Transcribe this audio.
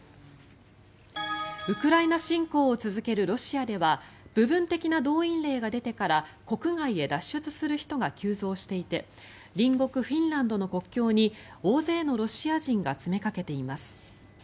ウクライナ侵攻を続けるロシアでは部分的な動員令が出てから国外へ脱出する人が急増していて隣国フィンランドの国境に大勢のロシア人が詰めかけています。